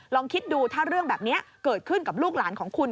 ลองคิดดูถ้าเรื่องแบบนี้เกิดขึ้นกับลูกหลานของคุณ